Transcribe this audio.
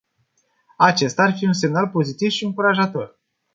Acesta ar fi un semnal pozitiv și încurajator.